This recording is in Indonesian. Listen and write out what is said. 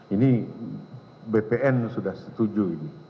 ini bpn sudah setuju